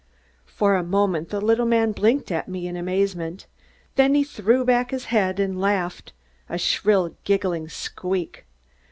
For a moment the little man blinked at me in amazement; then he threw back his head and laughed, a shrill, giggling squeak.